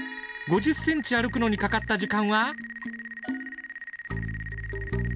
５０センチ歩くのにかかった時間は。